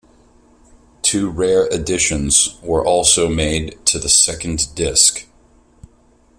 Two rare additions were also made to the second disc.